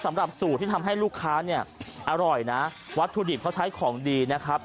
สำหรับสูตรที่ทำให้ลูกค้าเนี่ยอร่อยนะวัตถุดิบเขาใช้ของดีนะครับ